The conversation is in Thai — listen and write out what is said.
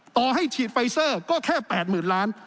ต่อให้ฉีดไฟเซอร์ก็แค่๘๐๐๐ล้าน